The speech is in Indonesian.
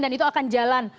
dan itu akan jalan